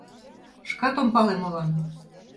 Шкат ом пале молан!